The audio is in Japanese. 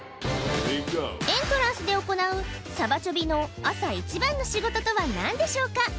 エントランスで行うサバチョビの朝一番の仕事とは何でしょうか？